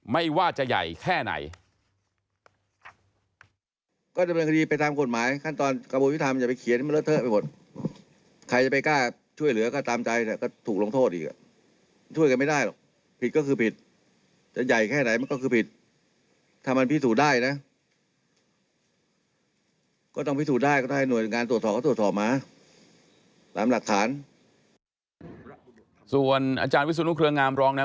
ไม่ว่าจะใหญ่แค่ไหน